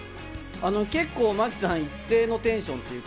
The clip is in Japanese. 結構、真木さん、一定のテンションというか、